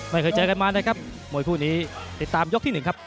ไม่เคยเจอกันมานะครับมวยคู่นี้ติดตามยกที่หนึ่งครับ